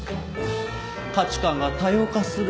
価値観が多様化する